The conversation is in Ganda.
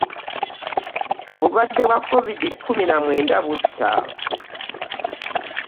Obulwadde bwa kovidi kkumi na mwenda butta.